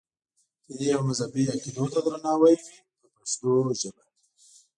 دیني او مذهبي عقیدو ته درناوی وي په پښتو ژبه.